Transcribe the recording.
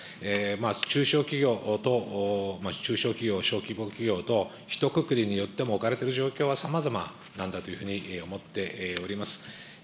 中小企業と、中小企業・小規模企業等、ひとくくりによっても置かれている状況はさまざまなんだというふうに思っております。